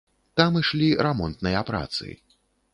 Там ішлі рамонтныя працы.